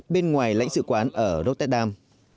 bên ngoài lãnh sự quán ở rotterdam